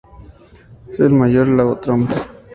Es el mayor lago de Troms.